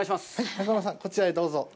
中丸さん、こちらへどうぞ。